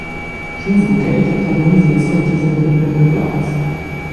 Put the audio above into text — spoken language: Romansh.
Sch’ins ruchegia taluisa las sutgas enten prender plaz.